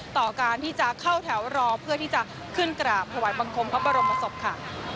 ต่อการที่จะเข้าแถวรอเพื่อที่จะขึ้นกราบถวายบังคมพระบรมศพค่ะ